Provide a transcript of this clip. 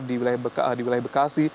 di wilayah bekasi